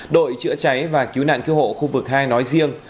đội chữa cháy và cứu nạn cứu hộ khu vực hai nói riêng